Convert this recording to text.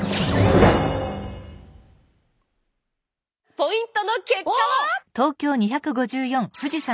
ポイントの結果は。